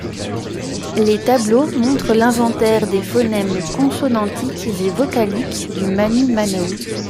Les tableaux montrent l'inventaire des phonèmes consonantiques et vocaliques du manumanaw.